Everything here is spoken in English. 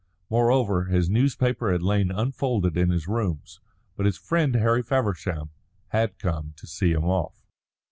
Moreover, his newspaper had lain unfolded in his rooms. But his friend Harry Feversham had come to see him off.